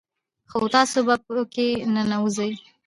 خو تاسو په كي ننوځئ